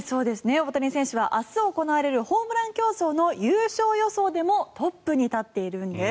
大谷選手は明日行われるホームラン競争の優勝予想でもトップに立っているんです。